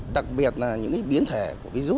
đặc biệt là những cái biến thể của virus